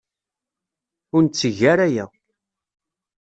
Ur netteg ara aya.